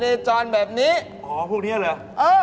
อ้าวมะโหอีกแล้วไม่เอาเงินลงมา